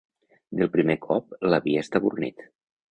Del primer cop l'havia estabornit.